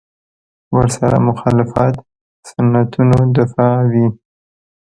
ورسره مخالفت سنتونو دفاع وي.